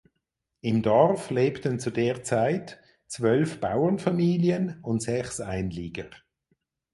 Im Dorf lebten zu der Zeit zwölf Bauernfamilien und sechs Einlieger.